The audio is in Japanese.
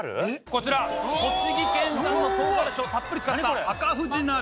こちら栃木県産のとうがらしをたっぷり使った赤富士鍋。